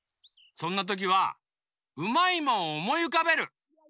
そんなときはうまいもんをおもいうかべる。